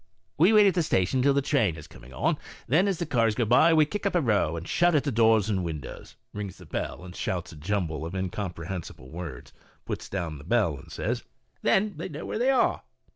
We wait at the station till the train is coming on, then as the cars go by we kick up a row and shout at the doors and windows (rings the bell and shouts a j amble of incomprehensi ble words, puts down bell and says), f* then they know where they are."